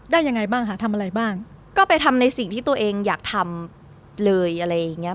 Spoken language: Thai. ยังไงบ้างคะทำอะไรบ้างก็ไปทำในสิ่งที่ตัวเองอยากทำเลยอะไรอย่างเงี้